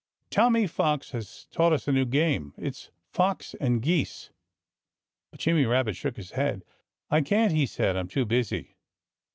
"Tommy Fox has taught us a new game. It's fox and geese!" But Jimmy Rabbit shook his head. "I can't!" he said. "I'm too busy."